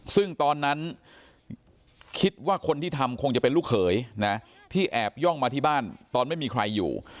ซึ่งตอนนั้นคิดว่าคนที่ทำคงจะเป็นลูกเขยนะที่แอบย่องมาที่บ้านตอนไม่มีใครอยู่